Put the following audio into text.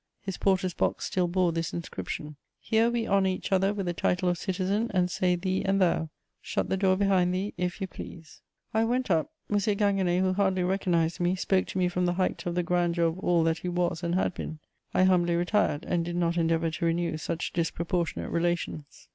His porter's box still bore this inscription: "Here we honour each other with the title of citizen and say thee and thou. Shut the door behind thee, if you please." I went up: M. Ginguené, who hardly recognised me, spoke to me from the height of the grandeur of all that he was and had been. I humbly retired, and did not endeavour to renew such disproportionate relations.